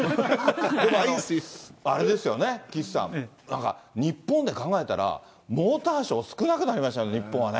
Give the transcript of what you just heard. でもあれですよね、岸さん、なんか、日本で考えたら、モーターショー、少なくなりましたよね、日本はね。